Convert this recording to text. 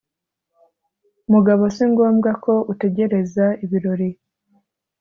Mugabo singombwa ko utegereza ibirori